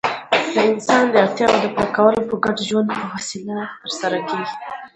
د انسان داړتیاوو پوره کول په ګډ ژوند په وسیله ترسره کيږي.